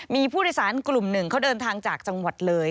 มีผู้โดยสารกลุ่มหนึ่งเขาเดินทางจากจังหวัดเลย